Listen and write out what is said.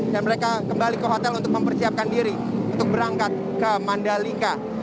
dan mereka kembali ke hotel untuk mempersiapkan diri untuk berangkat ke mandalika